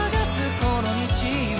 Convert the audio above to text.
この道を」